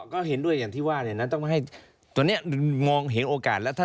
ก็เห็นด้วยอย่างที่ว่างวงเห็นโอกาสเวลา